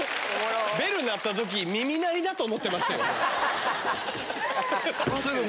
ベル鳴った時耳鳴りだと思ってましたよね。